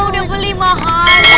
udah beli mahal